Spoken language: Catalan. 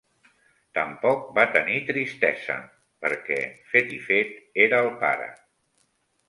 Tampoc va tenir tristesa, perquè fet i fet era el pare.